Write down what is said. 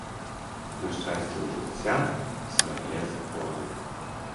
На шчасце, у жыцця свае законы.